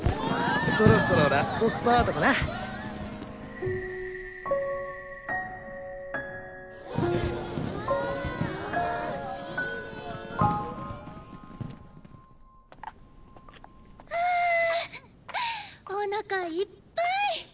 そろそろラストスパートかな。はおなかいっぱい！